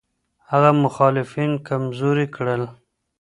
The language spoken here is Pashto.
هغه مخالفین کمزوري کړل.